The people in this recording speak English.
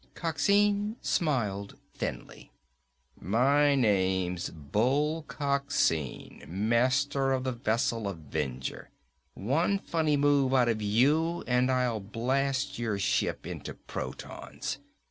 Coxine smiled thinly. "My name's Bull Coxine, master of the vessel Avenger. One funny move out of you and I'll blast your ship into protons!